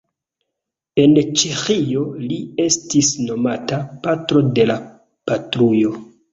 En Ĉeĥio li estis nomata "Patro de la Patrujo".